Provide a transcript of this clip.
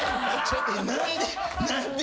何で？